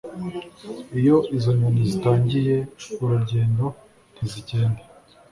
iyo izo nyoni zitangiye urugendo ntizigenda